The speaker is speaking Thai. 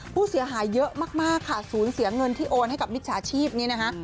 ผู้เสียหายเยอะมากค่ะศูนย์เสียเงินที่โอนให้กับมิจฉาชีพนี้นะคะ